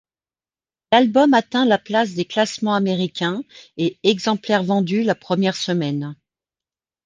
L'album atteint la place des classements américains, et exemplaires vendus la première semaines.